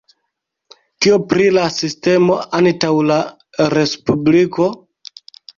Kio pri la sistemo antaŭ la respubliko?